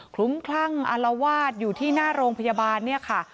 ลุ้มคลั่งอารวาสอยู่ที่หน้าโรงพยาบาลเนี่ยค่ะ